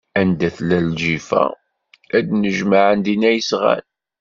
Anda tella lǧifa, ad d-nnejmaɛen dinna yesɣan.